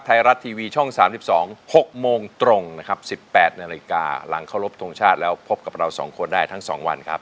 ไทยรัฐทีวีช่อง๓๒๖โมงตรงนะครับ๑๘นาฬิกาหลังเคารพทงชาติแล้วพบกับเราสองคนได้ทั้ง๒วันครับ